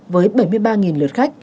với bảy mươi ba lượt khách